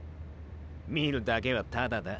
見るだけはタダだ。